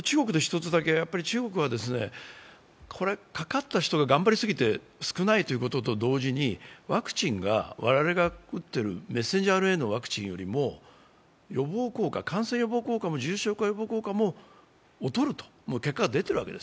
中国はかかった人が頑張り過ぎて少ないということと同時にワクチンが、我々が打っているメッセンジャーＲＮＡのワクチンよりも感染予防効果も重症化予防効果も劣ると、もう結果が出ているわけです。